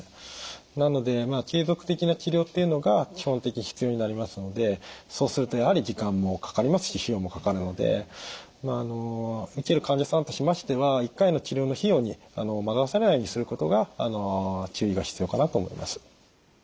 なので継続的な治療っていうのが基本的に必要になりますのでそうするとやはり時間もかかりますし費用もかかるので受ける患者さんとしましては１回の治療の費用に惑わされないようにすることが注意が必要かなと思います。